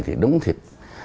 thì đúng thiệt